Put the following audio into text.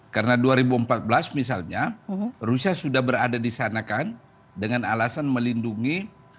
karena dua ribu empat belas misalnya rusia sudah berada di sana kan dengan alasan melindungi